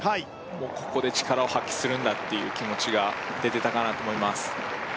もうここで力を発揮するんだっていう気持ちが出てたかなと思います